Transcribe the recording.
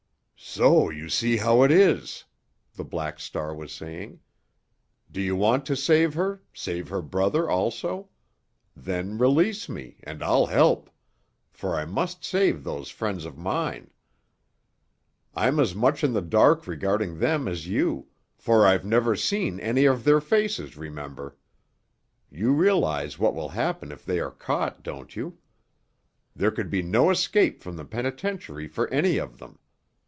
"So you see how it is," the Black Star was saying. "Do you want to save her, save her brother also? Then release me, and I'll help—for I must save those friends of mine. I'm as much in the dark regarding them as you, for I've never seen any of their faces, remember. You realize what will happen if they are caught, don't you? There could be no escape from the penitentiary for any of them.